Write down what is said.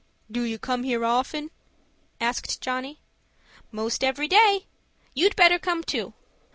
"Do you come here often?" asked Johnny. "Most every day. You'd better come too."